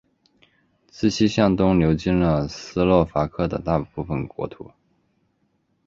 自西向东流经了斯洛伐克的大部分国土。